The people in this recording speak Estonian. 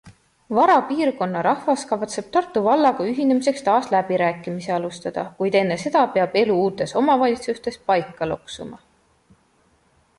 Vara piirkonna rahvas kavatseb Tartu vallaga ühinemiseks taas läbirääkimisi alustada, kuid enne seda peab elu uutes omavalitsustes paika loksuma.